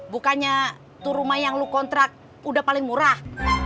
bukannya tuh rumah yang lu kontrak udah paling murah